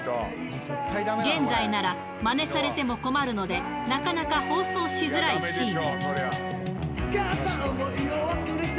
現在ならまねされても困るので、なかなか放送しづらいシーン。